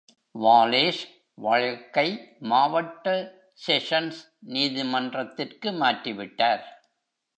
வாலேஸ், வழக்கை மாவட்ட செஷன்ஸ் நீதிமன்றத்திற்கு மாற்றி விட்டார்.